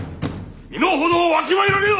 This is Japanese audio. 身の程をわきまえられよ！